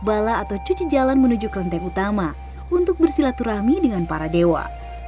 bala atau cuci jalan menuju kelenteng utama untuk bersilaturahmi dengan para dewa